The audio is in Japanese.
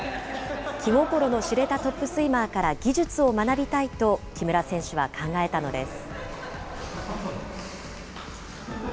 気心の知れたトップスイマーから技術を学びたいと、木村選手は考えたのです。